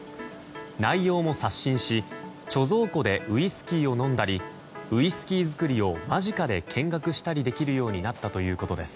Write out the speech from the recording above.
内容も刷新し貯蔵庫でウイスキーを飲んだりウイスキー造りを間近で見学できるようになったということです。